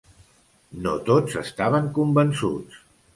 No tots estaven convençuts.